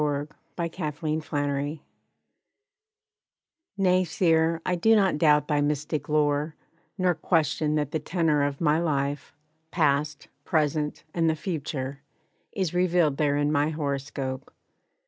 =To An Astrologer= Nay, seer, I do not doubt thy mystic lore, Nor question that the tenor of my life, Past, present and the future, is revealed There in my horoscope.